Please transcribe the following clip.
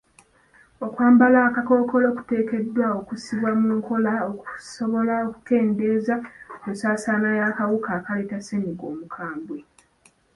Okwambala akakkookolo kuteekeddwa okussibwa mu nkola okusobola okukendeeza ku nsaasaana y'akawuka akaleeta ssennyiga omukambwe.